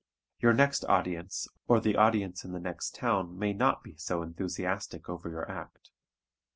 Your next audience or the audience in the next town may not be so enthusiastic over your act.